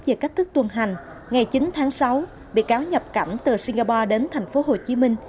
về cách thức tuần hành ngày chín tháng sáu bị cáo nhập cảnh từ singapore đến tp hcm